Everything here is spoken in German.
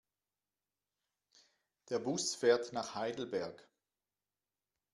Der Bus fährt nach Heidelberg